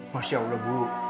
masya allah bu